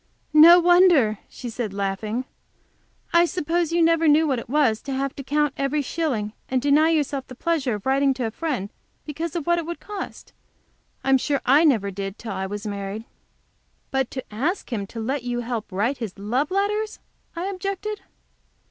"No wonder," she said, laughing. "I suppose you never knew what it was to have to count every shilling, and to deny yourself the pleasure of writing to a friend because of what it would cost. I'm sure I never did till I was married." "But to ask him to let you help write his love letters," I objected.